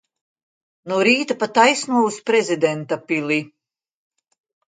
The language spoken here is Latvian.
No rīta pa taisno uz prezidenta pili.